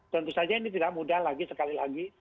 tentu saja ini tidak mudah lagi sekali lagi